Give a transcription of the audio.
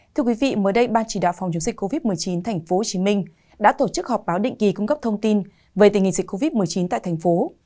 thưa quý vị mới đây ban chỉ đạo phòng chống dịch covid một mươi chín tp hcm đã tổ chức họp báo định kỳ cung cấp thông tin về tình hình dịch covid một mươi chín tại thành phố